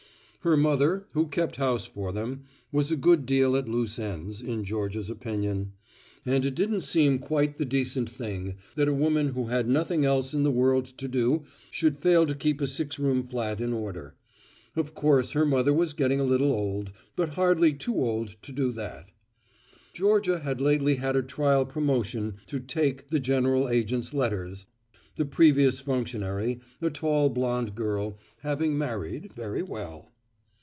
Her mother, who kept house for them, was a good deal at loose ends, in Georgia's opinion. And it didn't seem quite the decent thing that a woman who had nothing else in the world to do should fail to keep a six room flat in order. Of course her mother was getting a little old, but hardly too old to do that. Georgia had lately had a trial promotion to "take" the general agent's letters the previous functionary, a tall blonde girl, having married very well.